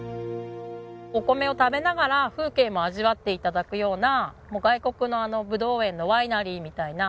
お米を食べながら風景も味わって頂くような外国のぶどう園のワイナリーみたいな。